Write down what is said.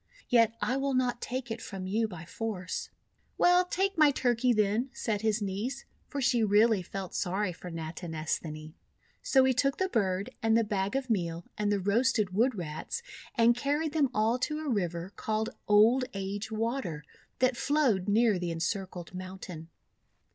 Yet I will not take it from you by force." "Well, take my Turkey, then," said his niece, for she really felt sorry for Natinesthani. So he took the bird and the bag of meal and the roasted Wood Rats, and carried them all to a river called Old Age Water, that flowed near the Encircled Mountain.